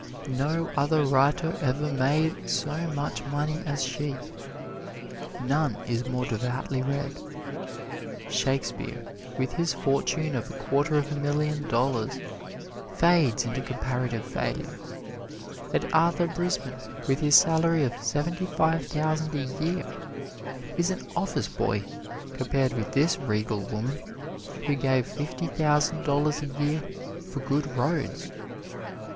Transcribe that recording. No other writer ever made so much money as she, none is more devoutly read. Shakespeare, with his fortune of a quarter of a million dollars, fades into comparative failure; and Arthur Brisbane, with his salary of seventy five thousand a year, is an office boy compared with this regal woman, who gave fifty thousand dollars a year for good roads.